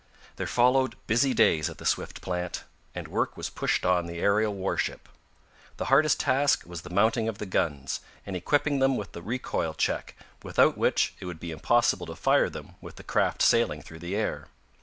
There followed busy days at the Swift plant, and work was pushed on the aerial warship. The hardest task was the mounting of the guns, and equipping them with the recoil check, without which it would be impossible to fire them with the craft sailing through the air.